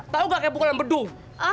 tau gak kaya pukulan bedung